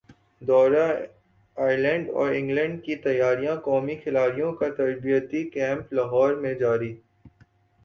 دورہ ائرلینڈ اور انگلینڈ کی تیاریاںقومی کھلاڑیوں کا تربیتی کیمپ لاہور میں جاری